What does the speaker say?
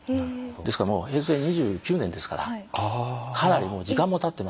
ですからもう平成２９年ですからかなりもう時間もたってますんで。